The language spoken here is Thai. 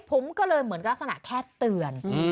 ผมก็เลยเหมือนลักษณะแค่เตือน